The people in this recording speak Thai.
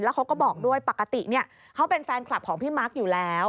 เขาก็บอกด้วยปกติเขาเป็นแฟนคลับของพี่มาร์คอยู่แล้ว